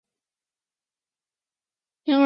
钱尔登去官里居。